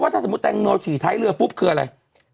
ถ้าสมมุติแตงโมฉี่ท้ายเรือปุ๊บคืออะไร